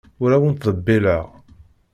Ur awen-ttḍebbileɣ.